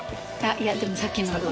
いやでもさっきの。